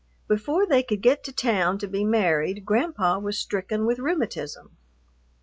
Before they could get to town to be married Grandpa was stricken with rheumatism.